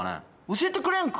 教えてくれんのか？